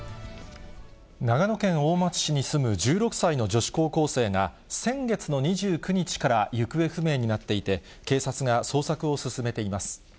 長野県大町市に住む１６歳の女子高校生が、先月の２９日から行方不明になっていて、警察が捜索を進めています。